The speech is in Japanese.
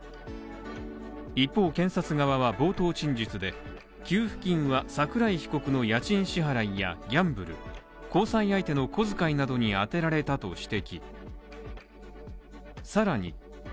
一方、検察側は冒頭陳述で、給付金は、桜井被告の家賃支払いやギャンブル、交際相手の小遣いなどに充てられたと指摘。